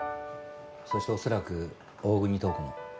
そして恐らく大國塔子も。